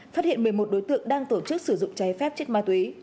phát hiện một mươi một đối tượng đang tổ chức sử dụng trái phép chất ma túy